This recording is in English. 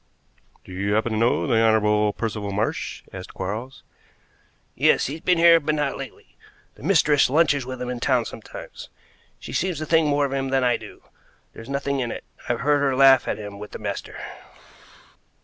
"Do you happen to know the Honorable Percival Marsh?" asked Quarles. "Yes. He's been here, but not lately. The mistress lunches with him in town sometimes. She seems to think more of him than I do. There's nothing in it. I've heard her laugh at him with the master."